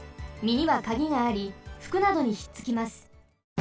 みにはカギがありふくなどにひっつきます。